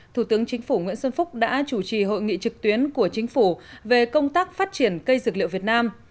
thủ tướng chính phủ nguyễn xuân phúc đã chủ trì hội nghị trực tuyến của chính phủ về công tác phát triển cây dược liệu việt nam